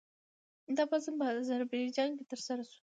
دا پاڅون په اذربایجان کې ترسره شو.